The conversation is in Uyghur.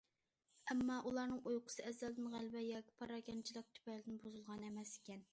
ئەمما ئۇلارنىڭ ئۇيقۇسى ئەزەلدىن غەلۋە ياكى پاراكەندىچىلىك تۈپەيلىدىن بۇزۇلغان ئەمەس ئىكەن.